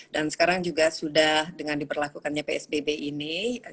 dan sekarang juga sudah dengan diperlakukannya psbb ini